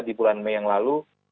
di bulan mei yang lalu